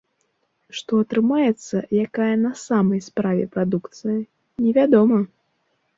Што атрымаецца, якая на самай справе прадукцыя, невядома.